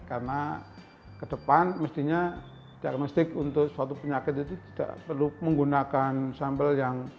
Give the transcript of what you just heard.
karena ke depan mestinya diagnostik untuk suatu penyakit itu tidak perlu menggunakan sampel yang